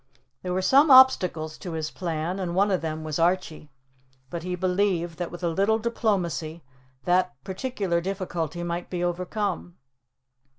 There were some obstacles to his plan, and one of them was Archie; but he believed that, with a little diplomacy, that particular difficulty might be overcome.